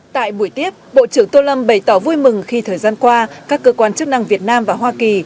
tại buổi tiếp bộ trưởng tô lâm bày tỏ vui mừng khi thời gian qua các cơ quan chức năng việt nam và hoa kỳ